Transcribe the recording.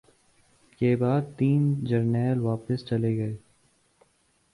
کے بعد تین جرنیل واپس چلے گئے